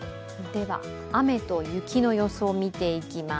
雨と雪の予想を見ていきます。